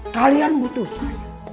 kalian butuh saya